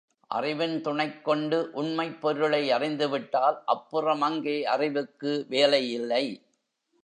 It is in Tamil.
அறிவின் துணைக் கொண்டு, உண்மைப் பொருளை அறிந்துவிட்டால், அப்புறம் அங்கே அறிவுக்கு வேலை இல்லை.